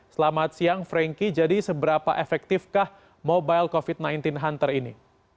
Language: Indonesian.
selamat siang frankie jadi seberapa efektifkah mobile covid sembilan belas hunter ini